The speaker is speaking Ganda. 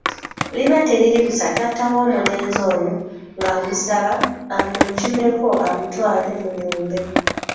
Liba teriri busa, taata w'omulenzi ono ng'amusaba amukimeko amutwaleko mu lumbe